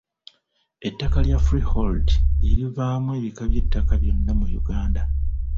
Ettaka lya freehold lye livaamu ebika by’ettaka byonna mu Uganda.